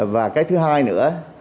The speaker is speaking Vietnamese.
và cái thứ hai nữa